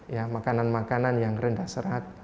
ya makanan makanan yang rendah serat